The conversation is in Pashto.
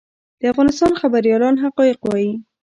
د افغانستان خبریالان حقایق وايي